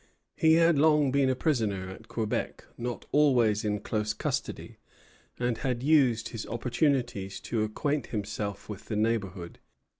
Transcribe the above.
He had long been a prisoner at Quebec, not always in close custody, and had used his opportunities to acquaint himself with the neighborhood.